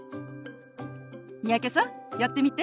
三宅さんやってみて。